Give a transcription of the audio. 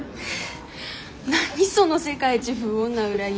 何その世界一不穏な裏切り。